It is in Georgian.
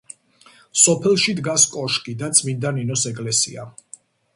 სოფელში დგას კოშკი და წმინდა ნინოს ეკლესია.